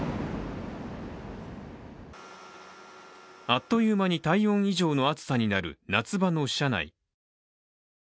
あっという間に体温以上の暑さになる夏場の車内。